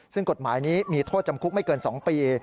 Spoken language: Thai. ซึ่งกฎหมายนี้มีโทษจำคุกไม่เกิน๒ปี